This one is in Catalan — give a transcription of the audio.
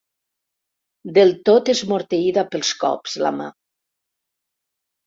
Del tot esmorteïda pels cops, la mà.